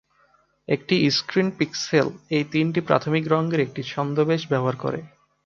একটি screen pixel এই তিনটি প্রাথমিক রঙের একটি ছদ্মবেশ ব্যবহার করে।